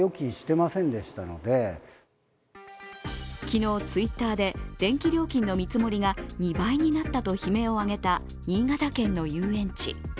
昨日、Ｔｗｉｔｔｅｒで電気料金の見積もりが２倍になったと悲鳴を上げた新潟県の遊園地。